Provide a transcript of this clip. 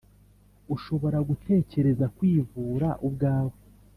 ushobora gutekereza kwivura ubwawe